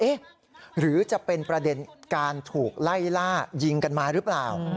หรือจะเป็นประเด็นการถูกไล่ล่ายิงกันมาหรือเปล่า